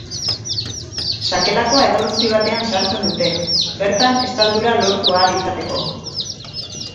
Sakelakoa edalontzi batean sartzen dute, bertan estaldura lortu ahal izateko.